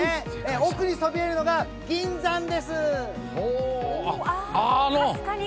奥にそびえるのが、銀山です。